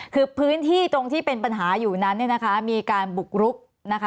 คือพื้นที่ตรงที่เป็นปัญหาอยู่นั้นเนี่ยนะคะมีการบุกรุกนะคะ